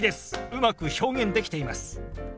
うまく表現できています。